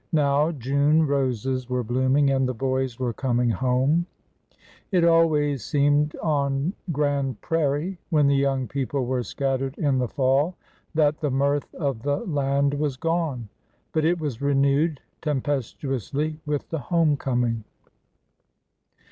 Now, June roses were blooming, and the boys were coming home 1 It always seemed on Grand Prairie, when the young people were scattered in the fall, that '' the mirth of the land was gone ''; but it was renewed tempestuously with the home coming.